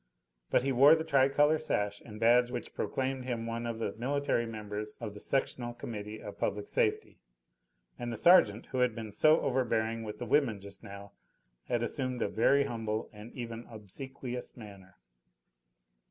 But he wore the tricolour sash and badge which proclaimed him one of the military members of the Sectional Committee of Public Safety, and the sergeant, who had been so overbearing with the women just now, had assumed a very humble and even obsequious manner.